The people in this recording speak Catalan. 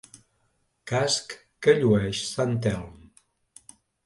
Casc que llueix sant Telm.